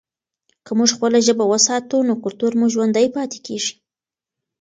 که موږ خپله ژبه وساتو نو کلتور مو ژوندی پاتې کېږي.